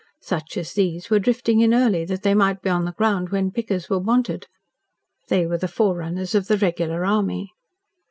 Such as these were drifting in early that they might be on the ground when pickers were wanted. They were the forerunners of the regular army.